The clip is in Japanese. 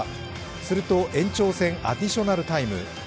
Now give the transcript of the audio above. すると延長戦、アディショナルタイム。